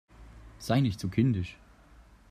Sei nicht so kindisch!